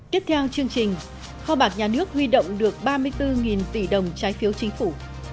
tiếp theo chương trình kho bạc nhà nước huy động được ba mươi bốn tỷ đồng trái phiếu chính phủ